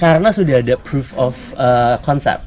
karena sudah ada proof of concept